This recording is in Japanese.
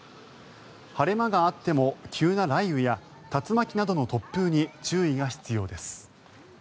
晴れ間があっても急な雷雨や竜巻などの突風に注意が必要です。